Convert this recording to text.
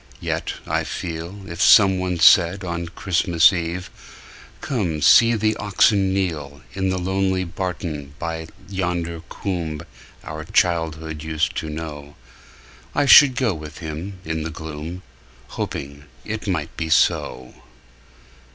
Yet, I feel, If someone said on Christmas Eve, "Come; see the oxen kneel,"In the lonely barton by yonder coomb Our childhood used to know,"I should go with him in the gloom, Hoping it might be so.